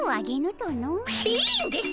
いいんです！